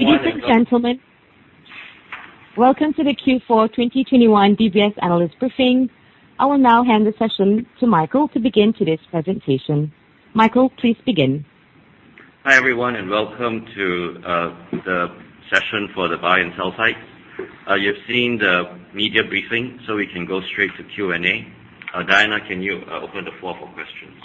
Ladies and gentlemen, welcome to the Q4 2021 DBS Analyst Briefing. I will now hand the session to Michael to begin today's presentation. Michael, please begin. Hi, everyone, and welcome to the session for the buy and sell side. You've seen the media briefing, so we can go straight to Q&A. Diana, can you open the floor for questions?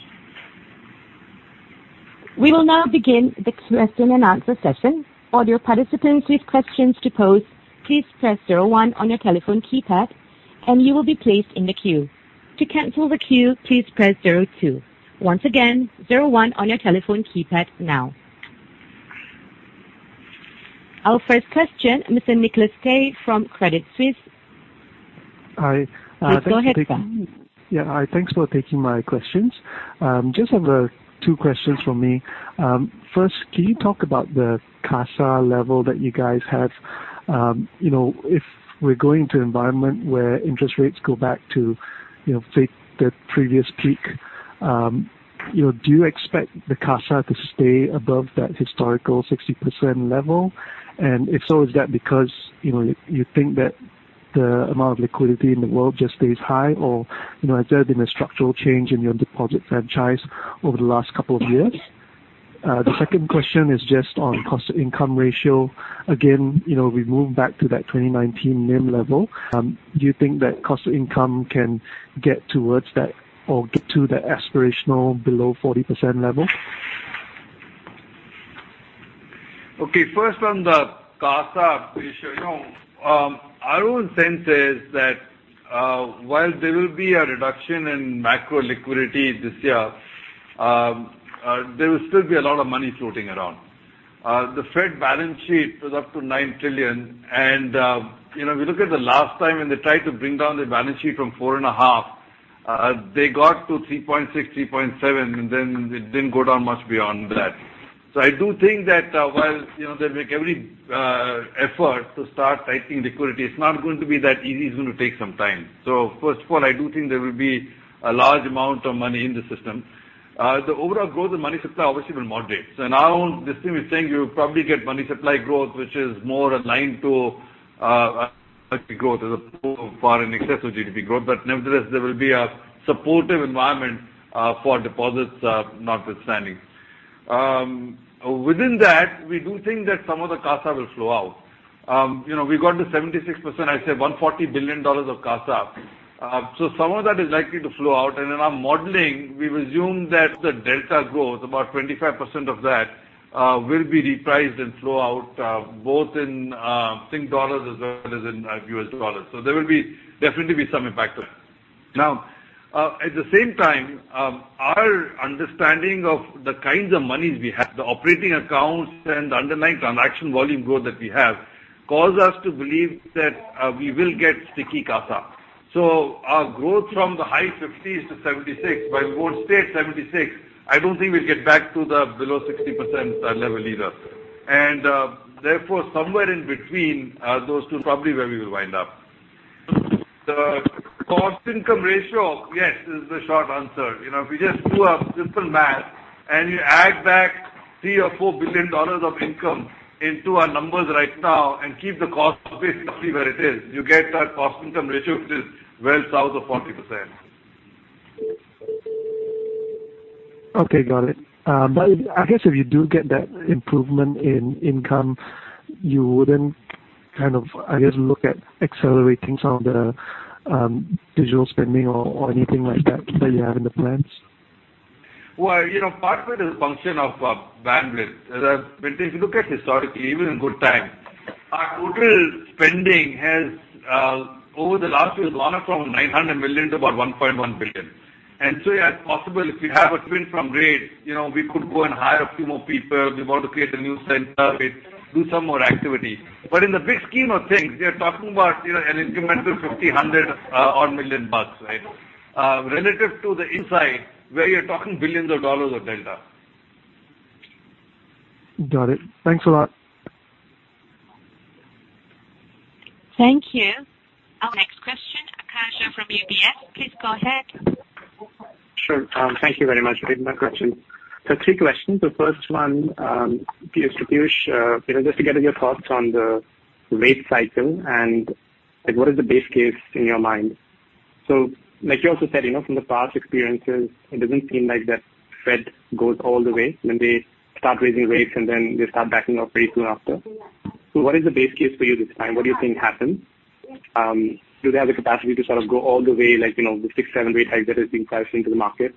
We will now begin the question and answer session. All participants please question to code. Please press zero, one on your telephone keypad, and you will be free to the queue. Our first question, Mr. Nicholas Teh from Credit Suisse. Hi. Thanks for taking. Please go ahead, sir. Yeah, hi. Thanks for taking my questions. I just have two questions from me. First, can you talk about the CASA level that you guys have? You know, if we're going to an environment where interest rates go back to, you know, say, the previous peak, you know, do you expect the CASA to stay above that historical 60% level? And if so, is that because, you know, you think that the amount of liquidity in the world just stays high or, you know, has there been a structural change in your deposit franchise over the last couple of years? The second question is just on cost to income ratio. Again, you know, we move back to that 2019 NIM level, do you think that cost to income can get towards that or get to the aspirational below 40% level? Okay, first on the CASA ratio. Our own sense is that while there will be a reduction in macro liquidity this year, there will still be a lot of money floating around. The Fed balance sheet was up to $9 trillion. You know, we look at the last time when they tried to bring down the balance sheet from $4.5, they got to 3.6, 3.7, and then it didn't go down much beyond that. I do think that while you know, they'll make every effort to start tightening liquidity, it's not going to be that easy. It's gonna take some time. First of all, I do think there will be a large amount of money in the system. The overall growth in money supply obviously will moderate. Now this thing is saying you'll probably get money supply growth, which is more aligned to growth as opposed far in excess of GDP growth. Nevertheless, there will be a supportive environment for deposits, notwithstanding. Within that, we do think that some of the CASA will flow out. You know, we got to 76%, I'd say $140 billion of CASA. So some of that is likely to flow out. In our modeling, we've assumed that the delta growth, about 25% of that, will be repriced and flow out, both in Sing dollars as well as in U.S. dollars. There will definitely be some impact to that. Now, at the same time, our understanding of the kinds of monies we have, the operating accounts and the underlying transaction volume growth that we have, cause us to believe that we will get sticky CASA. Our growth from the high 50s to 76, while growth stays 76, I don't think we'll get back to the below 60% level either. Therefore, somewhere in between are those two probably where we will wind up. The cost to income ratio, yes, is the short answer. You know, if you just do a simple math and you add back 3 billion or 4 billion dollars of income into our numbers right now and keep the cost basically where it is, you get that cost to income ratio which is well south of 40%. Okay, got it. I guess if you do get that improvement in income, you wouldn't kind of, I guess look at accelerating some of the digital spending or anything like that you have in the plans? Well, you know, part of it is function of bandwidth. If you look at historically, even in good times, our total spending has over the last year gone up from $900 million to about $1.1 billion. Yeah, it's possible if you have a spend program, you know, we could go and hire a few more people. We want to create a new center with, do some more activity. But in the big scheme of things, we are talking about, you know, an incremental 50, 100 or million bucks, right? Relative to the upside where you're talking billions of dollars of delta. Got it. Thanks a lot. Thank you. Our next question, Aakash from UBS, please go ahead. Sure. Thank you very much for taking my question. Three questions. The first one is to Piyush. You know, just to get your thoughts on the rate cycle and like what is the base case in your mind? Like you also said, you know, from the past experiences, it doesn't seem like the Fed goes all the way when they start raising rates and then they start backing off very soon after. What is the base case for you this time? What do you think happens? Do they have the capacity to sort of go all the way, like, you know, six, seven rate hike that is being priced into the market?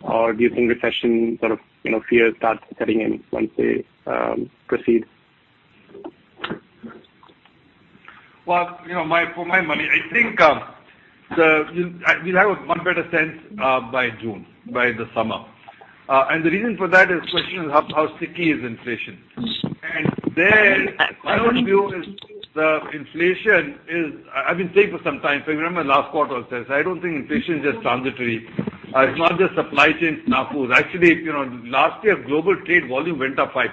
Or do you think recession sort of, you know, fear starts setting in once they proceed? Well, you know, for my money, I think we'll have a much better sense by June, by the summer. The reason for that is the question is how sticky is inflation. There my own view is that the inflation is. I've been saying for some time, if you remember last quarter I said, I don't think inflation is just transitory. It's not just supply chain snafu. Actually, you know, last year global trade volume went up 5%,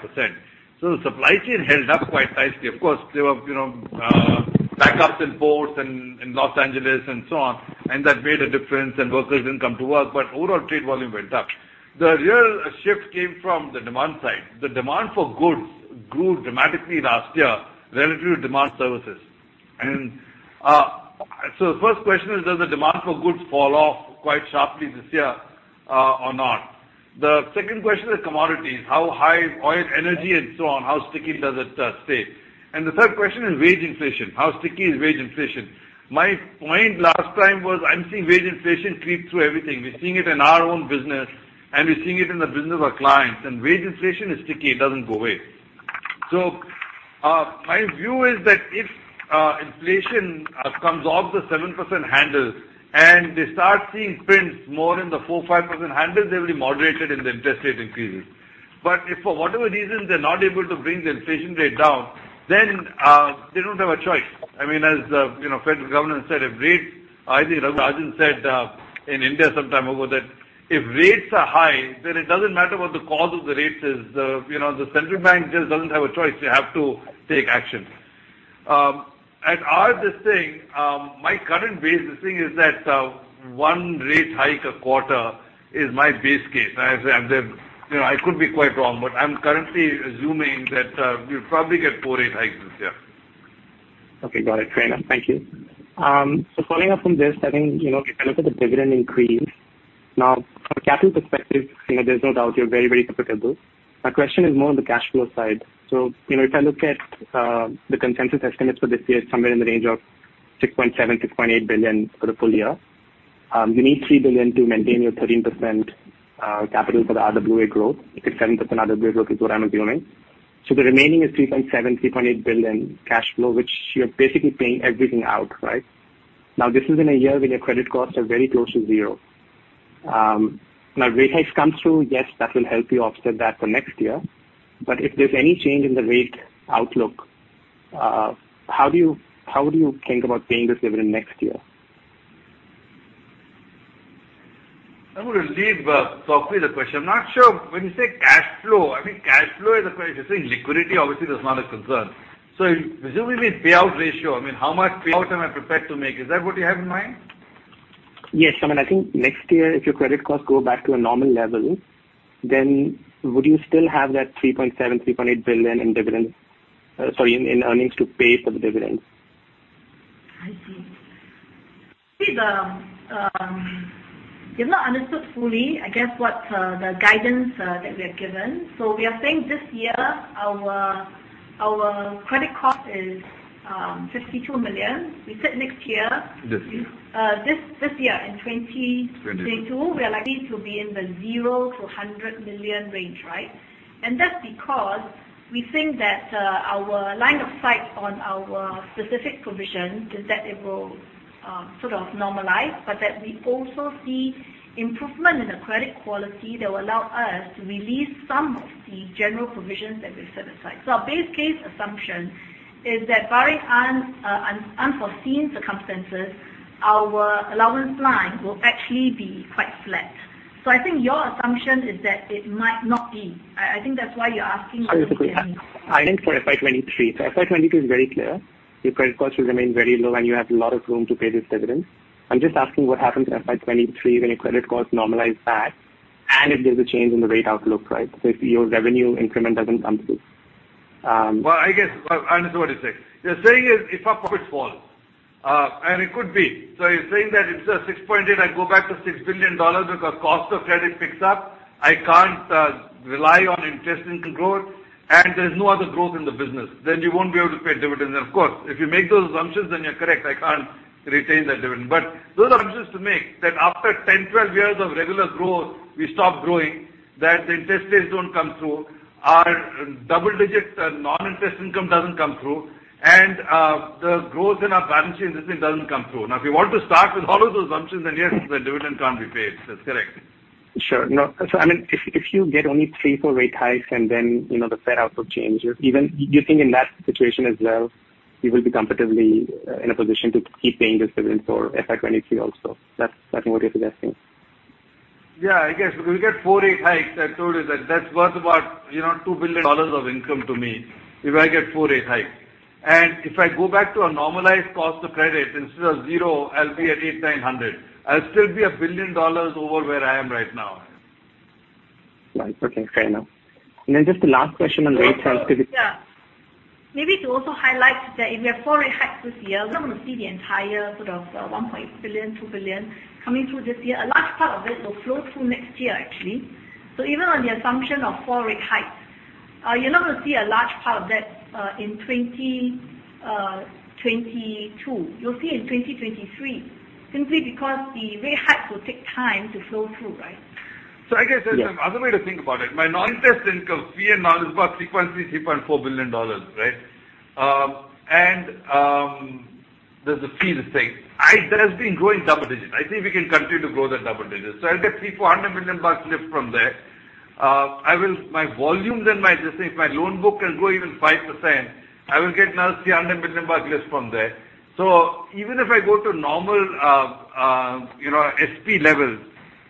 so the supply chain held up quite nicely. Of course, there were, you know, backups in ports and in Los Angeles and so on, and that made a difference, and workers didn't come to work, but overall trade volume went up. The real shift came from the demand side. The demand for goods grew dramatically last year relative to demand for services. The first question is, does the demand for goods fall off quite sharply this year, or not? The second question is commodities. How high is oil, energy and so on, how sticky does it stay? The third question is wage inflation. How sticky is wage inflation? My point last time was I'm seeing wage inflation creep through everything. We're seeing it in our own business, and we're seeing it in the business of our clients. Wage inflation is sticky. It doesn't go away. My view is that if inflation comes off the 7% handle, and they start seeing prints more in the 4%-5% handle, they'll be moderated in the interest rate increases. If for whatever reason they're not able to bring the inflation rate down, then they don't have a choice. I mean, you know, federal government said. I think Raghuram Rajan said in India some time ago that if rates are high, then it doesn't matter what the cause of the rates is. You know, the central bank just doesn't have a choice. They have to take action. At our desk, my current base case, the thing is that one rate hike a quarter is my base case. As I said, you know, I could be quite wrong, but I'm currently assuming that we'll probably get four rate hikes this year. Okay. Got it. Fair enough. Thank you. Following up from this, I think, you know, if I look at the dividend increase, now, from a capital perspective, you know, there's no doubt you're very, very comfortable. My question is more on the cash flow side. You know, if I look at the consensus estimates for this year, it's somewhere in the range of 6.7 billion-6.8 billion for the full year. You need 3 billion to maintain your 13% capital for the RWA growth. It's a 7% RWA growth is what I'm assuming. The remaining is 3.7 billion-3.8 billion cash flow, which you're basically paying everything out, right? Now, this is in a year when your credit costs are very close to zero. Now rate hike comes through. Yes, that will help you offset that for next year. If there's any change in the rate outlook, how do you think about paying this dividend next year? I'm gonna leave Chng Sok Hui the question. I'm not sure. When you say cash flow, I mean cash flow is a question. You're saying liquidity, obviously that's not a concern. Presumably payout ratio, I mean how much payout am I prepared to make? Is that what you have in mind? Yes. I mean, I think next year if your credit costs go back to a normal level, then would you still have that 3.7 billion-3.8 billion in earnings to pay for the dividends? I see. You've not understood fully, I guess, what the guidance that we have given. We are think this year our credit cost is 52 million. We said next year. This year. This year in 2022. 2022. We are likely to be in the 0 million-100 million range, right? That's because we think that our line of sight on our specific provisions is that it will sort of normalize, but that we also see improvement in the credit quality that will allow us to release some of the general provisions that we've set aside. Our base case assumption is that barring unforeseen circumstances, our allowance line will actually be quite flat. I think your assumption is that it might not be. I think that's why you're asking. I think for FY 2023. FY 2022 is very clear. Your credit costs will remain very low and you have a lot of room to pay this dividend. I'm just asking what happens in FY 2023 when your credit costs normalize back and if there's a change in the rate outlook, right? If your revenue increment doesn't come through. I guess I understand what you're saying. You're saying if our profits fall, and it could be. You're saying that instead of 6.8 I go back to 6 billion dollars because cost of credit picks up. I can't rely on interest income growth and there's no other growth in the business, then you won't be able to pay a dividend. Then, of course, if you make those assumptions, then you're correct, I can't retain that dividend. But those assumptions to make that after 10, 12 years of regular growth, we stop growing, that the interest rates don't come through, our double-digit non-interest income doesn't come through and the growth in our balance sheet and this thing doesn't come through. Now, if you want to start with all of those assumptions, then yes, the dividend can't be paid. That's correct. Sure. No. I mean, if you get only three, four rate hikes and then, you know, the Fed outlook changes, even you think in that situation as well, you will be comfortably in a position to keep paying this dividend for FY 2023 also. That's what you're suggesting. Yeah, I guess if we get four rate hikes, I told you that that's worth about, you know, $2 billion of income to me if I get four rate hikes. If I go back to a normalized cost of credit instead of zero, I'll be at 800-900. I'll still be a $1 billion over where I am right now. Right. Okay. Fair enough. Just a last question on rate sensitivity. Yeah. Maybe to also highlight that if we have four rate hikes this year, we're not gonna see the entire sort of, 1 billion-2 billion coming through this year. A large part of it will flow through next year, actually. Even on the assumption of four rate hikes, you're not gonna see a large part of that, in 2022. You'll see in 2023, simply because the rate hikes will take time to flow through, right? I guess there's some other way to think about it. My non-interest income, fee income now is about $3.4 billion, right? There's fee income that has been growing double digit. I think we can continue to grow that double digit. I'll get $300 million-$400 million lift from there. My volumes and my, let's say if my loan book can grow even 5%, I will get another $300 million lift from there. Even if I go to normal, you know, SP levels.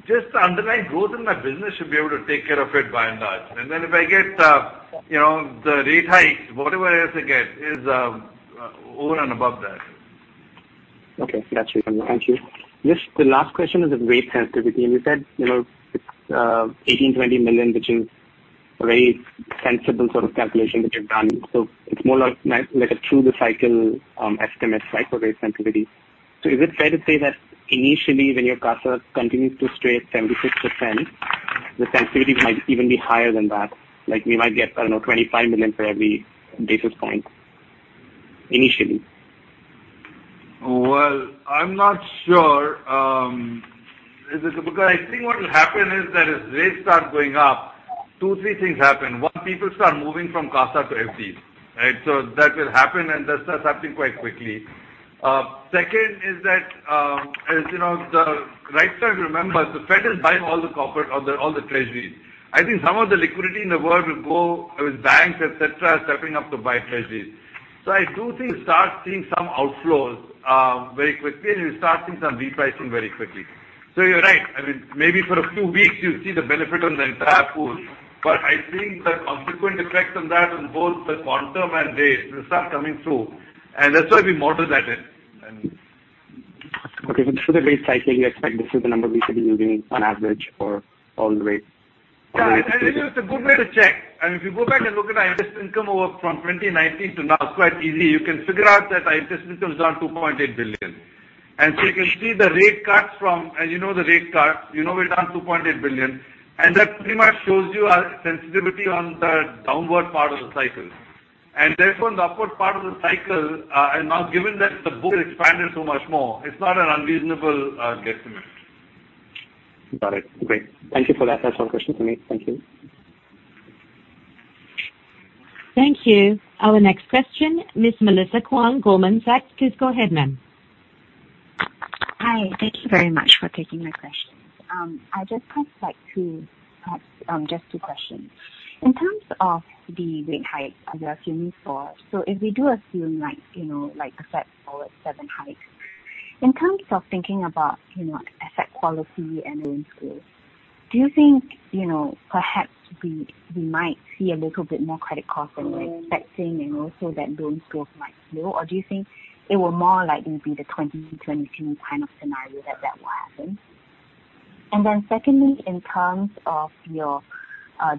Just the underlying growth in that business should be able to take care of it by and large. If I get, you know, the rate hike, whatever else I get is over and above that. Okay. Got you. Thank you. Just the last question is the rate sensitivity. You said, you know, 18 million-20 million, between rate sensitivity calculation that you've done. It's more like a through the cycle estimate, right? For rate sensitivity. Is it fair to say that initially when your CASA continues to stay at 76%, the sensitivity might even be higher than that? Like, we might get, I don't know, 25 million for every basis point initially. Well, I'm not sure. Is it because I think what will happen is that as rates start going up, two, three things happen. One, people start moving from CASA to FD, right? That will happen, and that starts happening quite quickly. Second is that, as you know, the right thing to remember, the Fed is buying all the corporates or the, all the Treasuries. I think some of the liquidity in the world will go with banks, et cetera, stepping up to buy Treasuries. I do think start seeing some outflows very quickly, and you start seeing some repricing very quickly. You're right. I mean, maybe for a few weeks you'll see the benefit on the entire pool, but I think the consequent effects on that on both the quantum and rates will start coming through, and that's why we model that in. And. Okay. The rate cycling, I expect this is the number we should be using on average for all the rate. Yeah. I think it's a good way to check. I mean, if you go back and look at our interest income over from 2019 to now, it's quite easy. You can figure out that our interest income is down 2.8 billion. You can see the rate cuts and you know the rate cut, you know we're down 2.8 billion, and that pretty much shows you our sensitivity on the downward part of the cycle. Therefore, on the upward part of the cycle, and now given that the book expanded so much more, it's not an unreasonable guesstimate. Got it. Great. Thank you for that. That's one question for me. Thank you. Thank you. Our next question, Ms. Melissa Kuang, Goldman Sachs. Please go ahead, ma'am. Hi. Thank you very much for taking my question. I just have like two, perhaps, just two questions. In terms of the rate hikes that you're assuming for, so if we do assume like, you know, like a Fed forward seven hikes, in terms of thinking about, you know, asset quality and loan growth, do you think, you know, perhaps we might see a little bit more credit costs than we're expecting, and also that loan growth might slow? Or do you think it will more likely be the 2022 kind of scenario that will happen? Secondly, in terms of your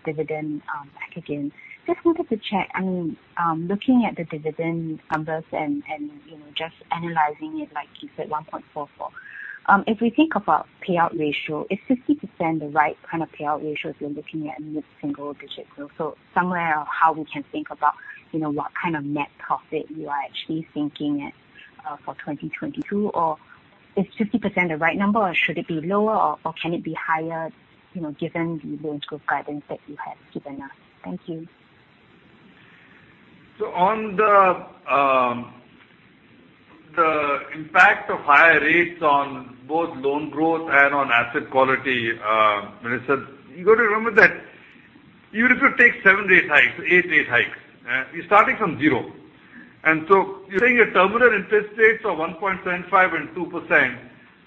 dividend back again, just wanted to check. I mean, looking at the dividend numbers and you know, just analyzing it, like you said, 1.44. If we think about payout ratio, is 50% the right kind of payout ratio if you're looking at mid-single digits growth? Somewhere how we can think about, you know, what kind of net profit you are actually thinking at for 2022, or is 50% the right number, or should it be lower, or can it be higher, you know, given the loan growth guidance that you have given us? Thank you. On the impact of higher rates on both loan growth and on asset quality, Melissa, you got to remember that even if you take seven rate hikes, eight rate hikes, you're starting from zero. You're saying your terminal interest rates are 1.75% and 2%,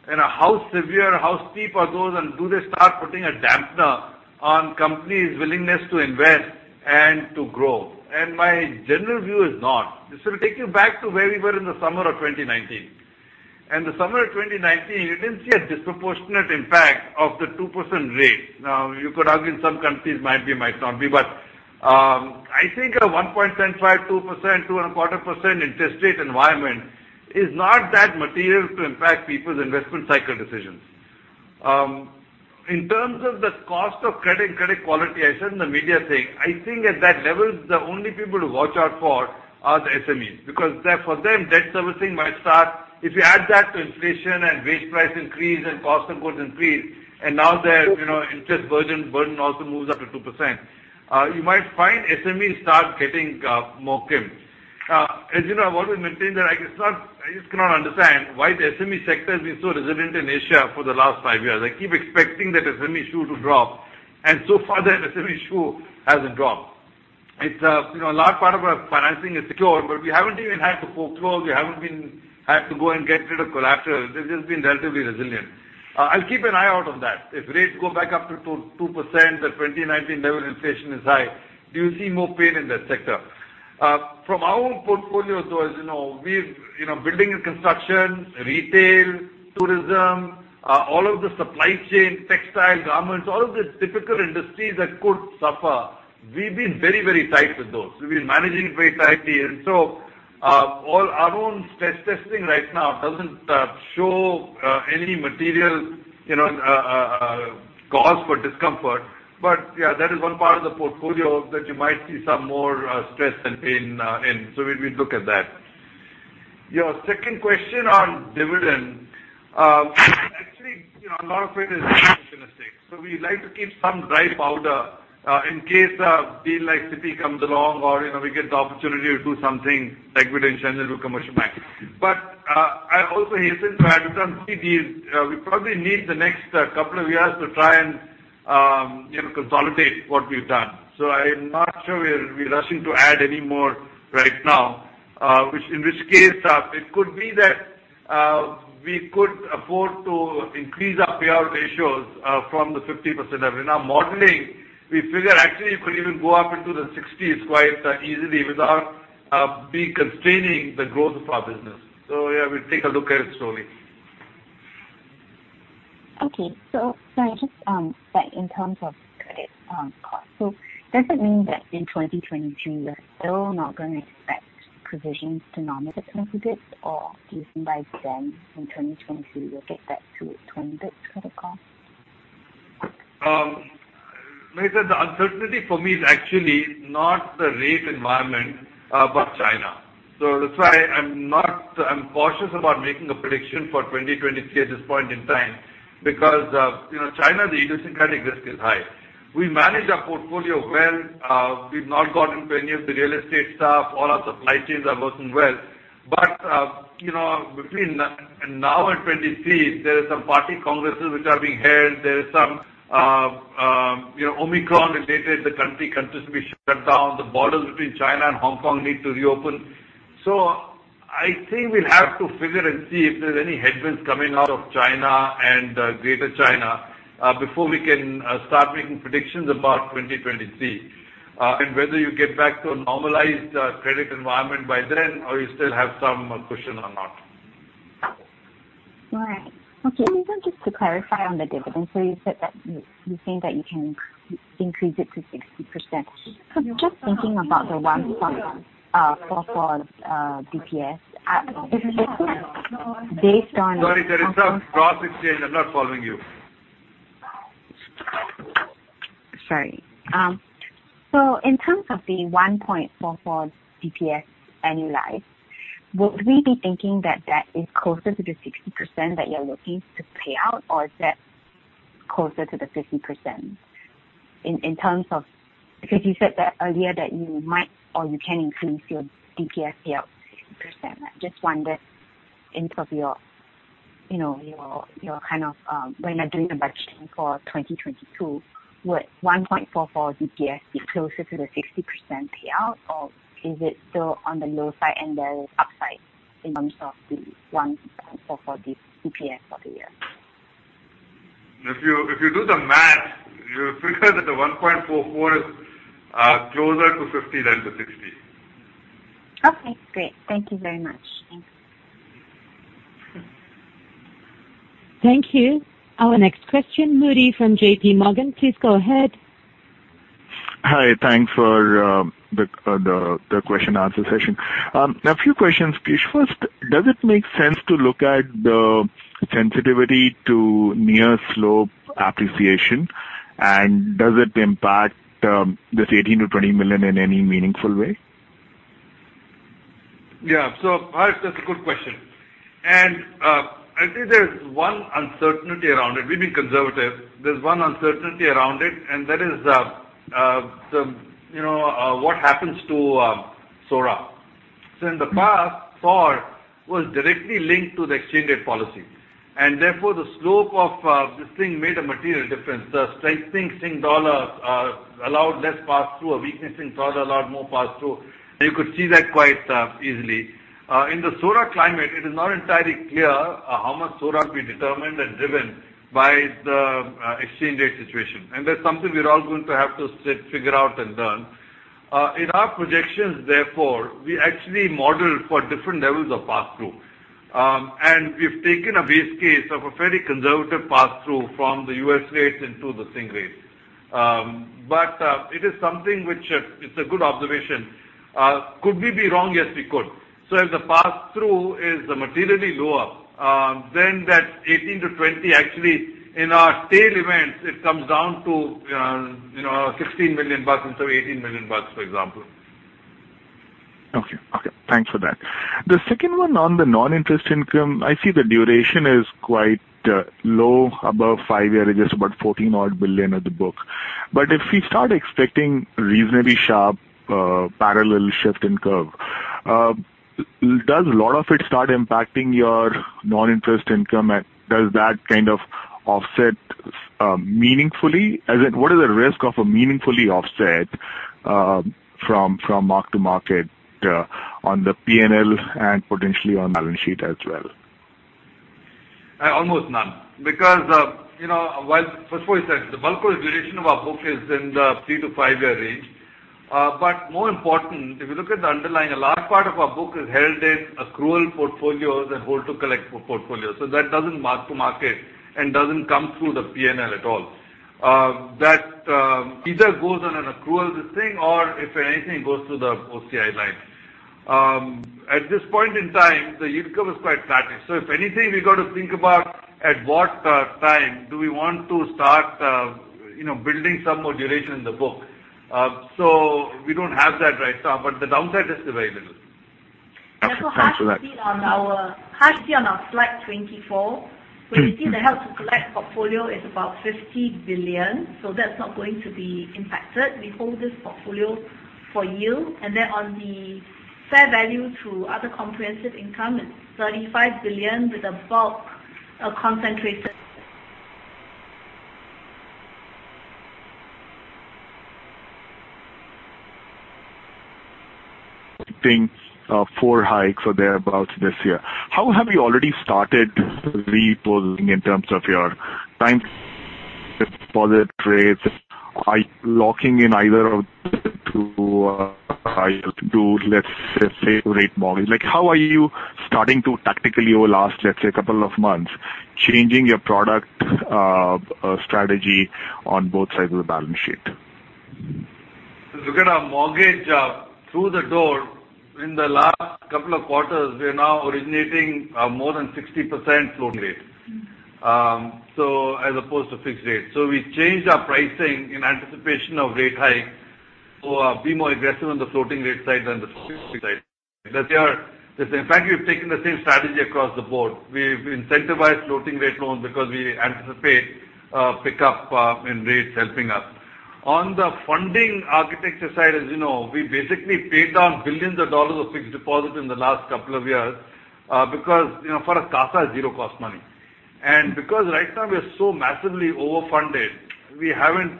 and how severe, how steep are those, and do they start putting a dampener on companies' willingness to invest and to grow? My general view is not. This will take you back to where we were in the summer of 2019. The summer of 2019, you didn't see a disproportionate impact of the 2% rate. Now, you could argue in some countries might be, might not be. I think a 1.5%-2%, 2.25% interest rate environment is not that material to impact people's investment cycle decisions. In terms of the cost of credit and credit quality, I said in the media thing, I think at that level, the only people to watch out for are the SMEs. Because there for them, debt servicing might start. If you add that to inflation and wage price increase and cost of goods increase, and now their, you know, interest burden also moves up to 2%, you might find SMEs start getting more crimped. As you know, I've always maintained that I just cannot understand why the SME sector has been so resilient in Asia for the last five years. I keep expecting that SME shoe to drop, and so far that SME shoe hasn't dropped. It's you know a large part of our financing is secured, but we haven't even had to foreclose. We haven't had to go and get rid of collateral. They've just been relatively resilient. I'll keep an eye out on that. If rates go back up to 2%, the 2019 level inflation is high. Do you see more pain in that sector? From our own portfolio though, as you know, we've you know building and construction, retail, tourism all of the supply chain, textile, garments, all of the typical industries that could suffer, we've been very, very tight with those. We've been managing it very tightly. All our own stress testing right now doesn't show any material, you know, cause for discomfort. Yeah, that is one part of the portfolio that you might see some more stress and pain in. We look at that. Your second question on dividend, actually, you know, a lot of it is opportunistic. We like to keep some dry powder in case a deal like Citi comes along or, you know, we get the opportunity to do something like we did in Standard Chartered Commercial Bank. I also hasten to add with our M&A deals, we probably need the next couple of years to try and, you know, consolidate what we've done. I'm not sure we'll be rushing to add any more right now. In which case, it could be that we could afford to increase our payout ratios from 50%. In our modeling, we figure actually it could even go up into the 60s quite easily without being constraining the growth of our business. Yeah, we'll take a look at it slowly. Okay. Sorry, just back in terms of credit cost. Does it mean that in 2023, you are still not gonna expect provisions to normalize 20 basis points, or do you think by then in 2023 you'll get back to 20 basis points credit cost? The uncertainty for me is actually not the rate environment, but China. That's why I'm cautious about making a prediction for 2023 at this point in time because, you know, China, the idiosyncratic risk is high. We manage our portfolio well. We've not gotten to any of the real estate stuff. All our supply chains are working well. You know, between now and 2023, there are some party congresses which are being held. There is some, you know, Omicron related, the country continues to be shut down. The borders between China and Hong Kong need to reopen. I think we'll have to figure and see if there's any headwinds coming out of China and greater China, before we can, start making predictions about 2023. Whether you get back to a normalized credit environment by then or you still have some cushion or not. All right. Okay. Just to clarify on the dividend. You said that you think that you can increase it to 60%. Just thinking about the 1.44 bps, is it based on? Sorry, there is no cross exchange. I'm not following you. Sorry. In terms of the 1.44 bps annualized, would we be thinking that that is closer to the 60% that you're looking to pay out, or is that closer to the 50%? In terms of. Because you said that earlier that you might or you can increase your DPS payout to 60%. I just wondered in terms of your, you know, kind of, when you're doing the budgeting for 2022, would 1.44 bps be closer to the 60% payout, or is it still on the low side and there is upside in terms of the 1.44 bps for the year? If you do the math, you'll figure that the 1.44 is closer to 50 than to 60. Okay, great. Thank you very much. Thanks. Thank you. Our next question, Harsh Modi from J.P. Morgan. Please go ahead. Hi. Thanks for the question answer session. A few questions, Piyush. First, does it make sense to look at the sensitivity to near slope appreciation? Does it impact this 18 million-20 million in any meaningful way? Yeah. Harsh, that's a good question. I think there's one uncertainty around it. We've been conservative. There's one uncertainty around it, and that is, you know, what happens to SORA. In the past, SORA was directly linked to the exchange rate policy, and therefore, the slope of this thing made a material difference. The strengthening Sing dollar allowed less pass-through. A weakening Sing dollar allowed more pass-through. You could see that quite easily. In the SORA climate, it is not entirely clear how much SORA will be determined and driven by the exchange rate situation. That's something we're all going to have to sit, figure out and learn. In our projections, therefore, we actually model for different levels of pass-through. We've taken a base case of a very conservative pass-through from the U.S. rates into the Sing rates. It is something which it's a good observation. Could we be wrong? Yes, we could. If the pass-through is materially lower, then that 18-20 actually in our tail events, it comes down to, you know, $16 million instead of $18 million, for example. Okay. Okay, thanks for that. The second one on the non-interest income, I see the duration is quite low, above five years. It is about 14 odd billion of the book. If we start expecting reasonably sharp parallel shift in curve, does a lot of it start impacting your non-interest income? And does that kind of offset meaningfully? As in what is the risk of a meaningfully offset from mark to market on the P&L and potentially on balance sheet as well? Almost none because, you know, first of all, you said the bulk of the duration of our book is in the three-five-year range. More important, if you look at the underlying, a large part of our book is held in accrual portfolios and hold to collect portfolios. That doesn't mark to market and doesn't come through the P&L at all. That either goes on an accrual or if anything, goes to the OCI line. At this point in time, the yield curve is quite static. If anything, we got to think about at what time do we want to start, you know, building some more duration in the book. We don't have that right now, but the downside is very little. Yeah. Thanks for that. Harsh, see on our slide 24. Mm-hmm. Where you see the hold to collect portfolio is about 50 billion, so that's not going to be impacted. We hold this portfolio for yield. Then on the fair value to other comprehensive income, it's 35 billion with a bulk, concentrated. For hikes or thereabouts this year. How have you already started repricing in terms of your time deposit rates? Are you locking in, let's say, fixed-rate mortgage? Like, how are you starting to tactically last, let's say, couple of months, changing your product strategy on both sides of the balance sheet? If you look at our mortgage throughput in the last couple of quarters, we're now originating more than 60% floating rate, so as opposed to fixed rate. We changed our pricing in anticipation of rate hike to be more aggressive on the floating rate side than the side. Because in fact, we've taken the same strategy across the board. We've incentivized floating rate loans because we anticipate pickup in rates helping us. On the funding architecture side, as you know, we basically paid down $ billions of fixed deposit in the last couple of years, because, you know, for a CASA zero cost money. Because right now we are so massively overfunded, we haven't,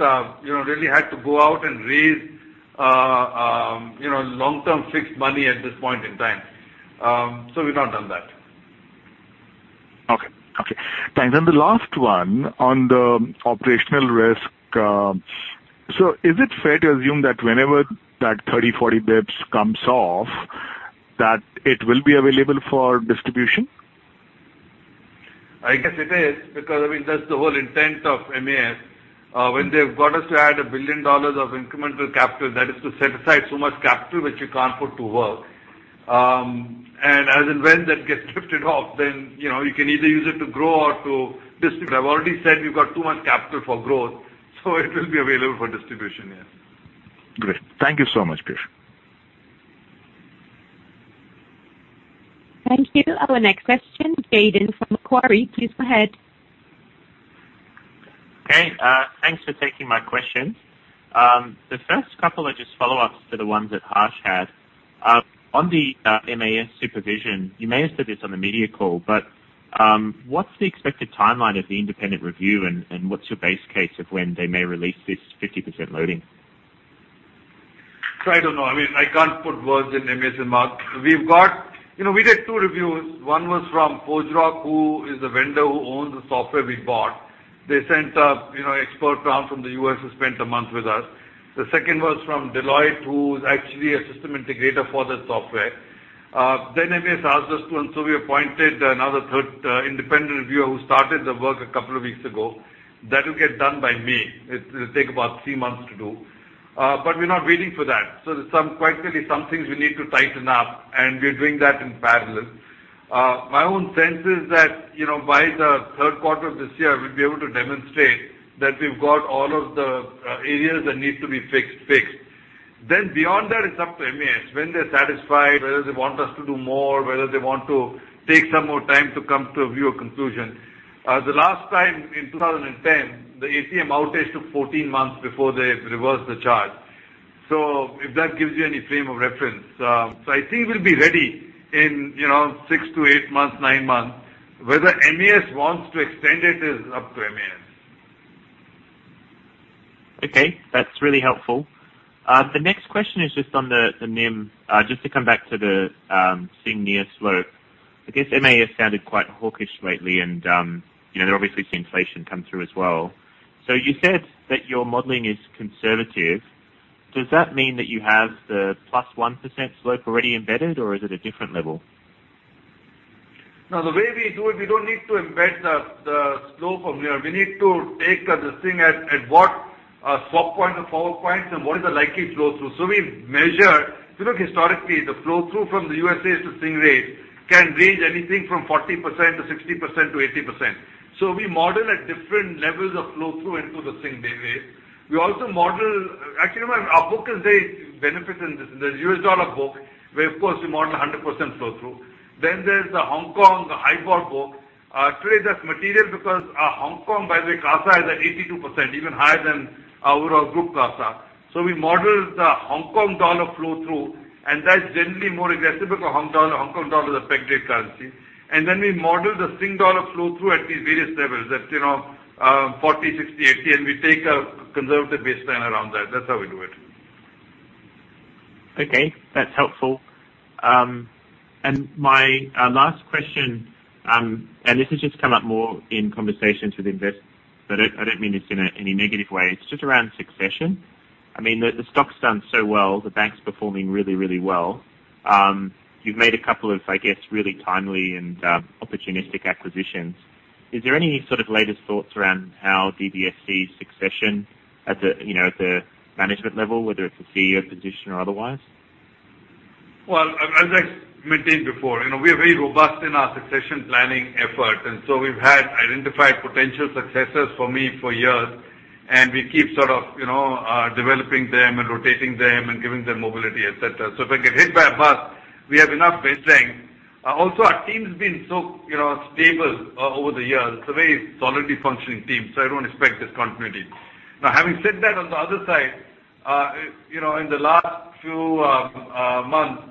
you know, really had to go out and raise, you know, long-term fixed money at this point in time. We've not done that. Okay. Thanks. The last one on the operational risk. Is it fair to assume that whenever that 30-40 basis points comes off, that it will be available for distribution? I guess it is, because, I mean, that's the whole intent of MAS. When they've got us to add 1 billion dollars of incremental capital, that is to set aside so much capital which you can't put to work. As and when that gets drifted off, then, you know, you can either use it to grow or to distribute. I've already said we've got too much capital for growth, so it will be available for distribution, yes. Great. Thank you so much, Piyush. Thank you. Our next question, Jayden from Macquarie. Please go ahead. Okay. Thanks for taking my questions. The first couple are just follow-ups to the ones that Harsh had. On the MAS supervision, you may have said this on the media call, but what's the expected timeline of the independent review and what's your base case of when they may release this 50% loading? I don't know. I mean, I can't put words in MAS' mouth. We've got you know, we did two reviews. One was from ForgeRock, who is the vendor who owns the software we bought. They sent, you know, an expert down from the U.S. who spent a month with us. The second was from Deloitte, who is actually a system integrator for that software. MAS asked us to, and so we appointed another third-party independent reviewer who started the work a couple of weeks ago. That will get done by May. It'll take about three months to do. We're not waiting for that. There's quite clearly some things we need to tighten up, and we're doing that in parallel. My own sense is that, you know, by the third quarter of this year, we'll be able to demonstrate that we've got all of the areas that need to be fixed. Beyond that, it's up to MAS when they're satisfied, whether they want us to do more, whether they want to take some more time to come to a view or conclusion. The last time in 2010, the ATM outage took 14 months before they reversed the charge. If that gives you any frame of reference. I think we'll be ready in, you know, six-eight months, nine months. Whether MAS wants to extend it is up to MAS. Okay, that's really helpful. The next question is just on the NIM. Just to come back to the Sing dollar slope. I guess MAS sounded quite hawkish lately and, you know, they're obviously seeing inflation come through as well. You said that your modeling is conservative. Does that mean that you have the +1% slope already embedded, or is it a different level? No, the way we do it, we don't need to embed the slope from here. We need to take the thing at what swap point or forward points and what is the likely flow-through. We measure. If you look historically, the flow-through from the U.S. to Sing rate can range anything from 40% to 60% to 80%. We model at different levels of flow-through into the Sing rate. We also model. Actually, our book is very beneficial in this, the U.S. dollar book, where of course we model 100% flow-through. There's the Hong Kong, the HIBOR book. Today that's material because Hong Kong, by the way, CASA is at 82%, even higher than our group CASA. We model the Hong Kong dollar flow-through, and that's generally more aggressive because Hong Kong dollar is a pegged rate currency. We model the Sing dollar flow-through at these various levels. That's, you know, 40, 60, 80, and we take a conservative baseline around that. That's how we do it. Okay, that's helpful. And my last question, and this has just come up more in conversations with investors. I don't mean this in any negative way. It's just around succession. I mean, the stock's done so well. The bank's performing really well. You've made a couple of, I guess, really timely and opportunistic acquisitions. Is there any sort of latest thoughts around how DBSs succession at the, you know, at the management level, whether it's the CEO position or otherwise? Well, as I maintained before, you know, we are very robust in our succession planning effort, and so we've had identified potential successors for me for years, and we keep sort of developing them and rotating them and giving them mobility, et cetera. If I get hit by a bus, we have enough bench strength. Also our team's been so, you know, stable over the years. It's a very solidly functioning team, so I don't expect discontinuity. Now, having said that, on the other side, in the last few months.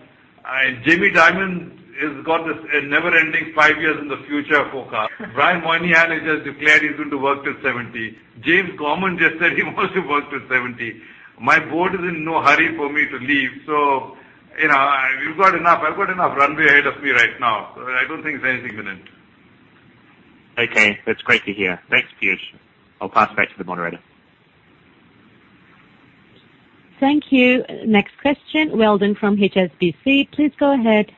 Jamie Dimon has got this, never ending five years in the future forecast. Brian Moynihan has just declared he's going to work till 70. James Gorman just said he wants to work till 70. My board is in no hurry for me to leave. You know, I've got enough runway ahead of me right now. I don't think there's anything imminent. Okay. That's great to hear. Thanks, Piyush. I'll pass back to the moderator. Thank you. Next question, Weldon from HSBC, please go ahead.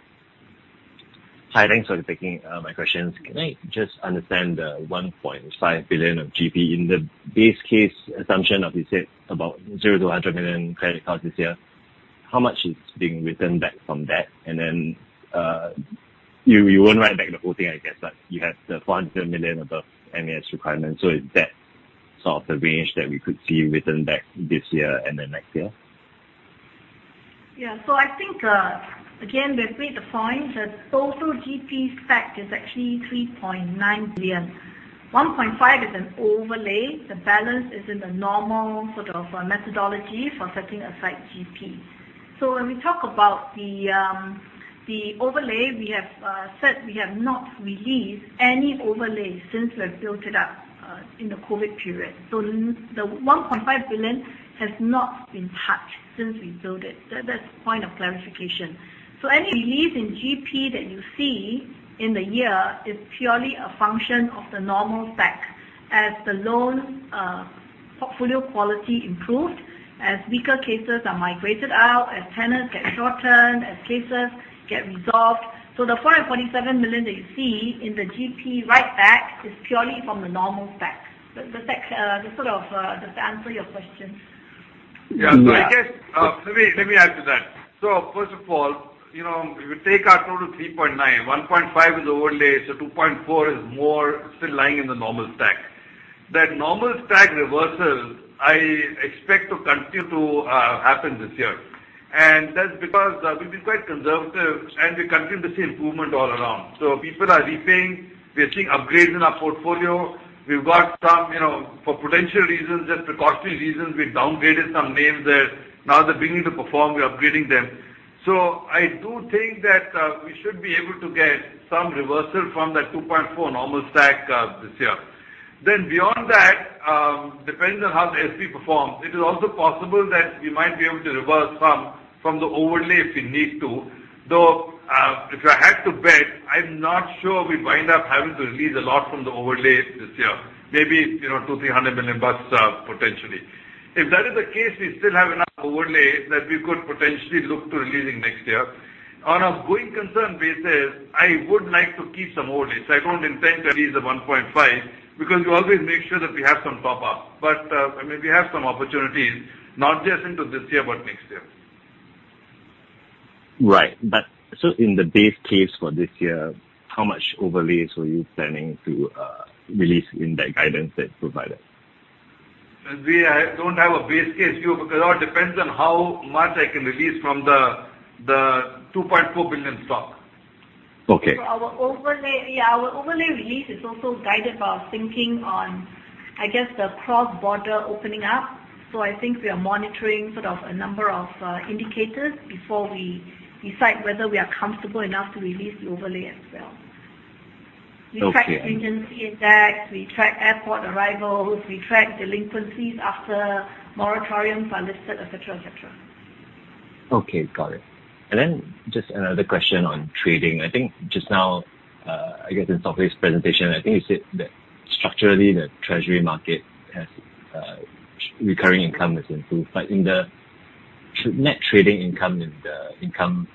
Hi. Thanks for taking my questions. Can I just understand the 1.5 billion of GP in the base case assumption of, you said about 0-100 million credit cards this year, how much is being written back from that? And then, you won't write back the whole thing, I guess, but you have the 400 million above MES requirements. Is that sort of the range that we could see written back this year and the next year? Yeah. I think, again, we've made the point, the total GP stack is actually 3.9 billion. 1.5 billion is an overlay. The balance is in the normal sort of methodology for setting aside GP. When we talk about the overlay, we have said we have not released any overlay since we've built it up in the COVID period. The 1.5 billion has not been touched since we built it. That's point of clarification. Any release in GP that you see in the year is purely a function of the normal stack. As the loan portfolio quality improves, as weaker cases are migrated out, as tenures get shortened, as cases get resolved. The 447 million that you see in the GP write back is purely from the normal stack. Does that answer your question? Yeah. I guess, let me add to that. First of all, you know, if you take our total 3.9, 1.5 is overlay, so 2.4 is more still lying in the normal stack. That normal stack reversal, I expect to continue to happen this year. That's because, we've been quite conservative and we continue to see improvement all around. People are repaying. We're seeing upgrades in our portfolio. We've got some, you know, for potential reasons and precautionary reasons, we downgraded some names there. Now they're beginning to perform, we're upgrading them. I do think that, we should be able to get some reversal from that 2.4 normal stack, this year. Then beyond that, depends on how the SP performs. It is also possible that we might be able to reverse some from the overlay if we need to. Though, if I had to bet, I'm not sure we wind up having to release a lot from the overlay this year. Maybe, you know, $200 million-$300 million, potentially. If that is the case, we still have enough overlay that we could potentially look to releasing next year. On a going concern basis, I would like to keep some overlays. I don't intend to release the 1.5 billion because we always make sure that we have some top up. I mean, we have some opportunities not just into this year, but next year. Right. In the base case for this year, how much overlays are you planning to release in that guidance that you provided? I don't have a base case view because it all depends on how much I can release from the 2.4 billion stock. Okay. Our overlay, yeah, our overlay release is also guided by our thinking on, I guess, the cross-border opening up. I think we are monitoring sort of a number of indicators before we decide whether we are comfortable enough to release the overlay as well. Okay. We track agency index, we track airport arrivals, we track delinquencies after moratoriums are lifted, et cetera, et cetera. Okay. Got it. Just another question on trading. I think just now, I guess in Sok Hui presentation, I think you said that structurally the treasury market has recurring income has improved. But in the net trading income in the income,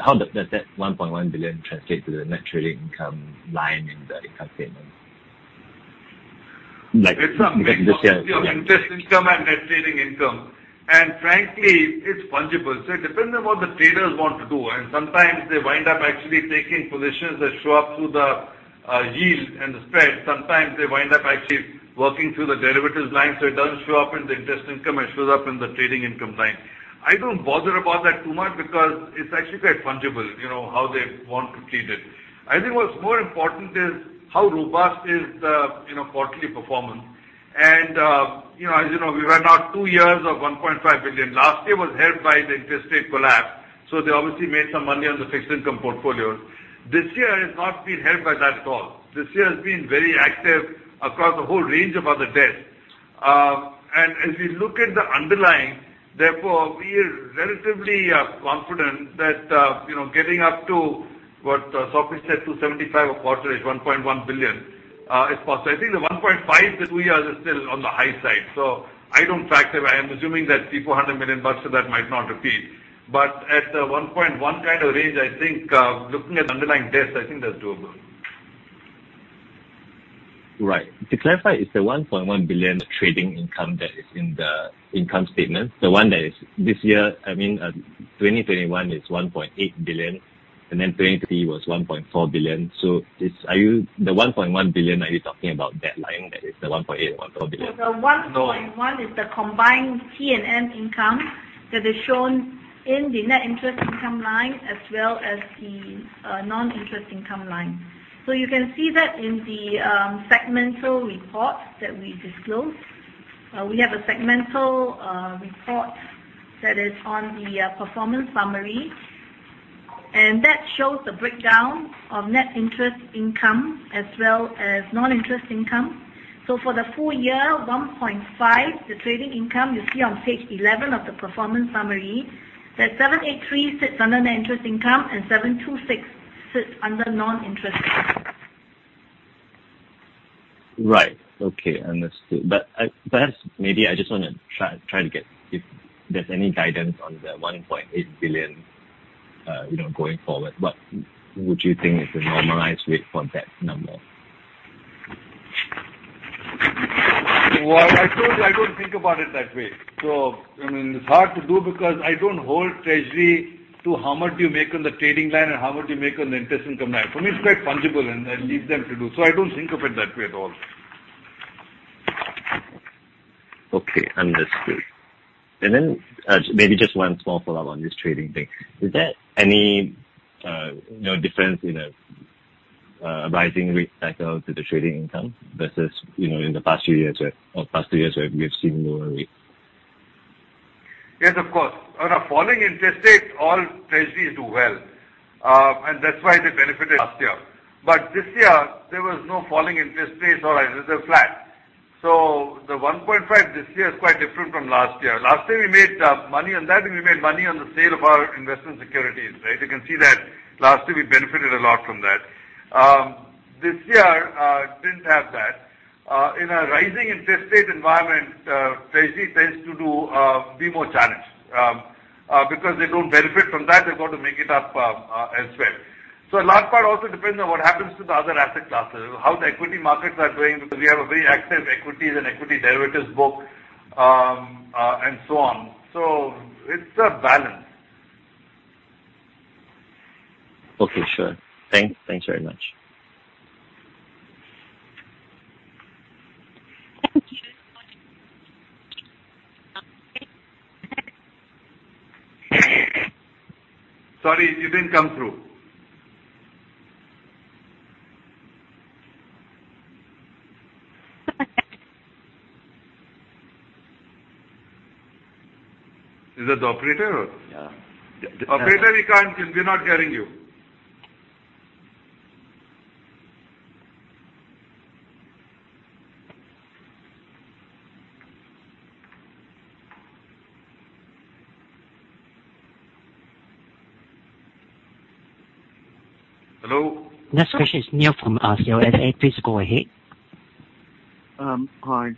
how does that 1.1 billion translate to the net trading income line in the income statement? Like, because this year. There's some interest income and net trading income, and frankly, it's fungible. It depends on what the traders want to do. Sometimes they wind up actually taking positions that show up through the yield and the spread. Sometimes they wind up actually working through the derivatives line, so it doesn't show up in the interest income, it shows up in the trading income line. I don't bother about that too much because it's actually quite fungible, you know, how they want to treat it. I think what's more important is how robust is the quarterly performance. You know, as you know, we were now two years of 1.5 billion. Last year was helped by the interest rate collapse, so they obviously made some money on the fixed income portfolio. This year has not been helped by that at all. This year has been very active across the whole range of other desks. As we look at the underlying, therefore, we are relatively confident that you know, getting up to what Sok Hui said, 275 a quarter is $1.1 billion is possible. I think the $1.5 that we are just still on the high side, so I don't factor. I am assuming that $300-$400 million bucks of that might not repeat. At the $1.1 kind of range, I think looking at underlying desks, I think that's doable. Right. To clarify, is the 1.1 billion trading income that is in the income statement the one that is this year? I mean, 2021 is 1.8 billion, and then 2020 was 1.4 billion. So the 1.1 billion, are you talking about that line that is the 1.8, 1.4 billion? The 1.1 is the combined P&L income that is shown in the net interest income line as well as the non-interest income line. You can see that in the segmental report that we disclose. We have a segmental report that is on the performance summary, and that shows the breakdown of net interest income as well as non-interest income. For the full year 1.5, the trading income you see on page 11 of the performance summary, that 783 sits under net interest income and 726 sits under non-interest. Right. Okay. Understood. Perhaps maybe I just wanna try to get if there's any guidance on the 1.8 billion, you know, going forward. What would you think is the normalized rate for that number? Well, I told you I don't think about it that way. I mean, it's hard to do because, I don't hold treasury to how much do you make on the trading line and how much you make on the interest income line. For me, it's quite fungible, and I leave them to do. I don't think of it that way at all. Okay. Understood. Maybe just one small follow-up on this trading thing. Is there any difference in a rising rate cycle to the trading income versus in the past few years or past three years where we've seen lower rates? Yes, of course. On a falling interest rate, all treasuries do well. That's why they benefited last year. This year there was no falling interest rates or they're flat. The 1.5% this year is quite different from last year. Last year we made money on that, and we made money on the sale of our investment securities, right? You can see that last year we benefited a lot from that. This year didn't have that. In a rising interest rate environment, treasury tend to be more challenged because they don't benefit from that. They've got to make it up as well. A large part also depends on what happens to the other asset classes, how the equity markets are doing, because we have a very active equities and equity derivatives book, and so on. It's a balance. Okay. Sure. Thanks very much. Thank you. Sorry, you didn't come through. Is that the operator or? Yeah. Operator, we can't. We're not getting you. Hello? Next question is Neel from CLSA. Please go ahead. Hi.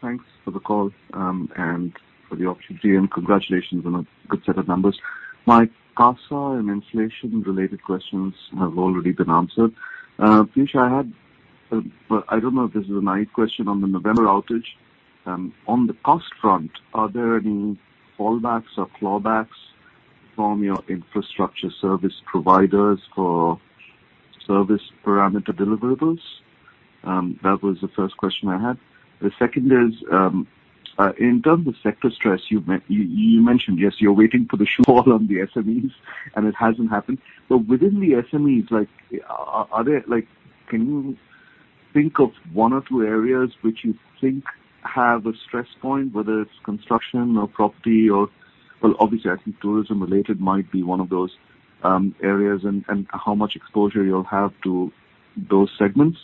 Thanks for the call, and for the opportunity and congratulations on a good set of numbers. My CASA and inflation-related questions have already been answered. Piyush, I had, well, I don't know if this is a naive question on the November outage. On the cost front, are there any fallbacks or clawbacks from your infrastructure service providers for service parameter deliverables? That was the first question I had. The second is, in terms of sector stress, you mentioned, yes, you're waiting for the other shoe to drop on the SMEs, and it hasn't happened. But within the SMEs, like, are there, like, can you think of one or two areas which you think have a stress point, whether it's construction or property or... Well, obviously, I think tourism-related might be one of those areas and how much exposure you'll have to those segments.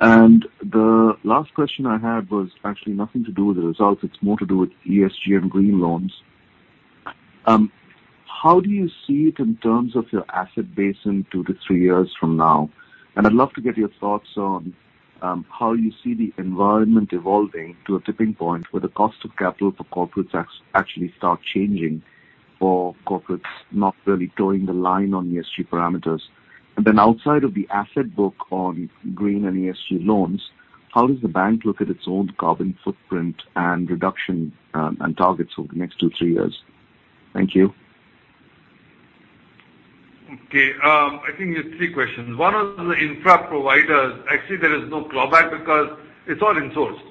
The last question I had was actually nothing to do with the results. It's more to do with ESG and green loans. How do you see it in terms of your asset base in two to three years from now? I'd love to get your thoughts on how you see the environment evolving to a tipping point where the cost of capital for corporates actually start changing for corporates not really toeing the line on ESG parameters. Outside of the asset book on green and ESG loans, how does the bank look at its own carbon footprint and reduction and targets over the next two-three years? Thank you. Okay. I think there's three questions. One on the infra providers. Actually, there is no clawback because it's all insourced.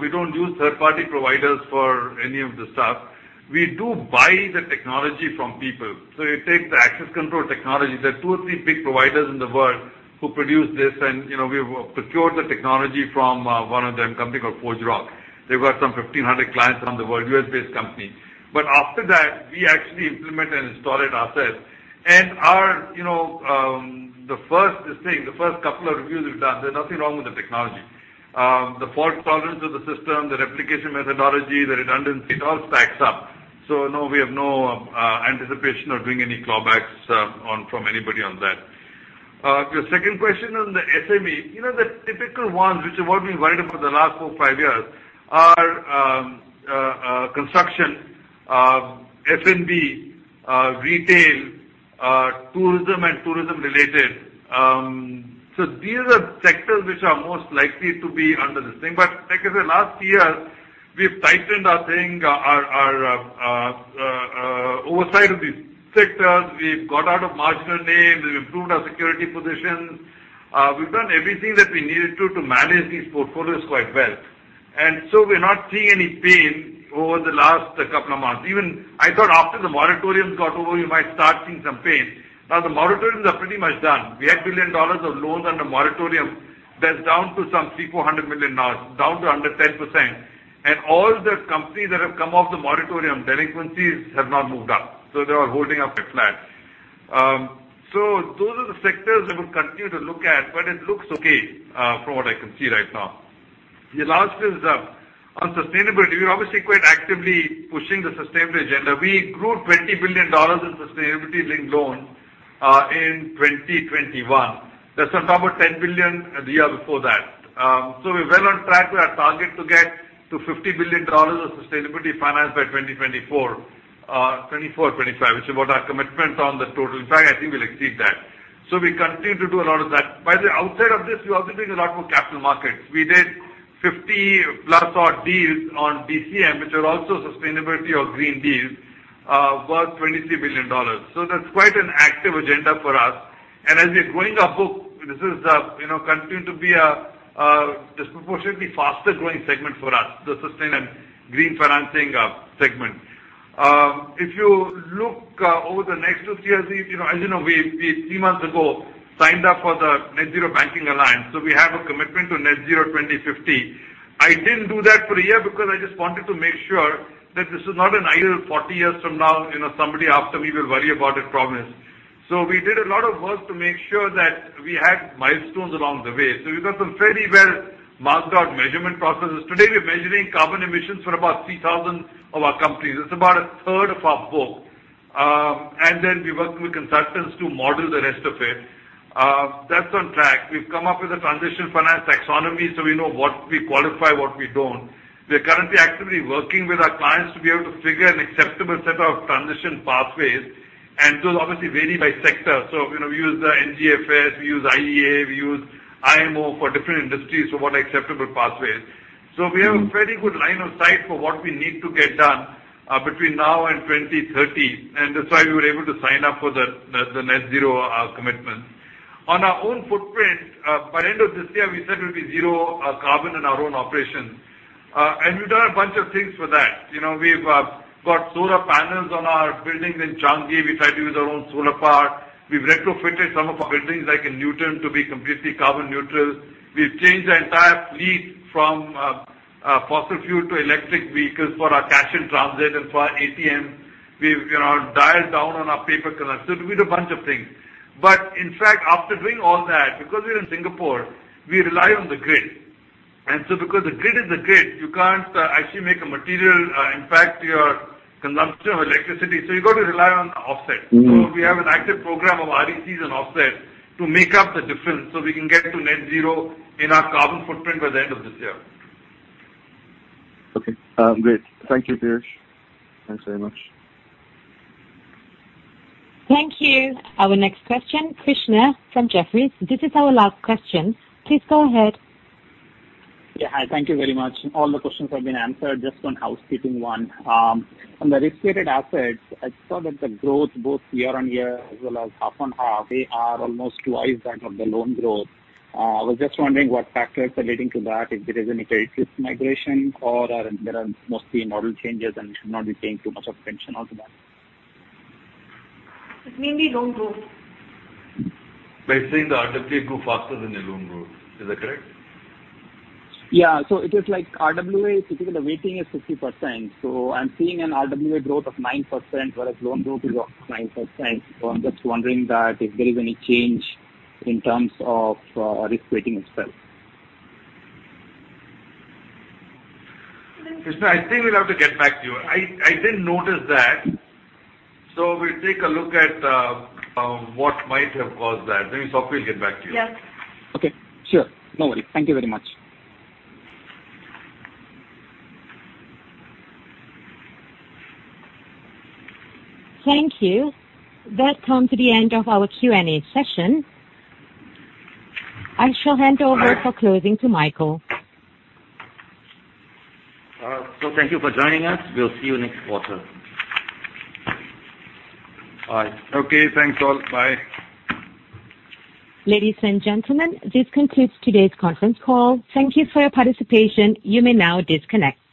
We don't use third-party providers for any of the stuff. We do buy the technology from people. You take the access control technology. There are two or three big providers in the world who produce this. You know, we've procured the technology from one of them, a company called ForgeRock. They've got some 1,500 clients around the world, U.S.-based company. But after that, we actually implement and install it ourselves. Our, you know, the first couple of reviews we've done, there's nothing wrong with the technology. The fault tolerance of the system, the replication methodology, the redundancy, it all stacks up. No, we have no anticipation of doing any clawbacks on from anybody on that. Your second question on the SME. You know, the typical ones which we've all been worried about the last four, five years are construction, F&B, retail, tourism and tourism-related. These are sectors which are most likely to be under this thing. Like I said, last year, we've tightened our oversight of these sectors. We've got out of marginal names. We've improved our security positions. We've done everything that we needed to manage these portfolios quite well. We're not seeing any pain over the last couple of months. Even I thought after the moratoriums got over, you might start seeing some pain. Now, the moratoriums are pretty much done. We had 1 billion dollars of loans under moratorium. That's down to some 300-400 million dollars now, down to under 10%. All the companies that have come off the moratorium, delinquencies have not moved up, so they are holding up at flat. Those are the sectors we will continue to look at, but it looks okay from what I can see right now. The last is on sustainability. We're obviously quite actively pushing the sustainability agenda. We grew 20 billion dollars in sustainability-linked loans in 2021. That's on top of 10 billion the year before that. We're well on track to our target to get to 50 billion dollars of sustainability finance by 2024/2025, which is what our commitment on the total. In fact, I think we'll exceed that. We continue to do a lot of that. By the way, outside of this, we're also doing a lot more capital markets. We did 50-plus odd deals on DCM, which are also sustainability or green deals, worth $23 billion. That's quite an active agenda for us. As we're growing our book, this is, you know, continue to be a disproportionately faster growing segment for us, the sustainable and green financing segment. If you look over the next two-three years, you know, as you know, we three months ago signed up for the Net-Zero Banking Alliance, so we have a commitment to net-zero 2050. I didn't do that for a year because I just wanted to make sure that this is not an idle 40 years from now, you know, somebody after me will worry about it promise. We did a lot of work to make sure that we had milestones along the way, so we've got some fairly well marked out measurement processes. Today, we're measuring carbon emissions for about 3,000 of our companies. It's about a third of our book. We work with consultants to model the rest of it. That's on track. We've come up with a transition finance taxonomy so we know what we qualify and what we don't. We are currently actively working with our clients to be able to figure an acceptable set of transition pathways, and those obviously vary by sector. You know, we use the NGFS, we use IEA, we use IMO for different industries. What are acceptable pathways? We have a pretty good line of sight for what we need to get done between now and 2030, and that's why we were able to sign up for the Net-Zero commitment. On our own footprint, by end of this year, we said we'll be zero carbon in our own operations. We've done a bunch of things for that. You know, we've got solar panels on our buildings in Changi. We try to use our own solar power. We've retrofitted some of our buildings, like in Newton, to be completely carbon neutral. We've changed the entire fleet from fossil fuel to electric vehicles for our cash in transit and for our ATM. You know, we've dialed down on our paper consumption. We did a bunch of things. In fact, after doing all that, because we're in Singapore, we rely on the grid, and so because the grid is the grid, you can't actually make a material impact to your consumption of electricity, so you've got to rely on offsets. We have an active program of RECs and offsets to make up the difference, so we can get to net zero in our carbon footprint by the end of this year. Okay. Great. Thank you, Piyush. Thanks very much. Thank you. Our next question, Krishna from Jefferies. This is our last question. Please go ahead. Yeah, hi. Thank you very much. All the questions have been answered. Just one housekeeping one. On the risk-weighted assets, I saw that the growth both year-on-year as well as half-on-half, they are almost twice that of the loan growth. I was just wondering what factors are leading to that, if there is any credit risk migration or are there mostly model changes and should not be paying too much of attention on to that? It's mainly loan growth. You're saying the RWA grew faster than the loan growth. Is that correct? It is like RWA, typically the weighting is 50%, so I'm seeing an RWA growth of 9%, whereas loan growth is around 9%. I'm just wondering that if there is any change in terms of risk weighting itself. Then. Krishna, I think we'll have to get back to you. I didn't notice that. We'll take a look at what might have caused that. Chng Sok Hui will get back to you. Yes. Okay. Sure. No worry. Thank you very much. Thank you. That comes to the end of our Q&A session. I shall hand over for closing to Michael. Thank you for joining us. We'll see you next quarter. Bye. Okay, thanks all. Bye. Ladies and gentlemen, this concludes today's conference call. Thank you for your participation. You may now disconnect.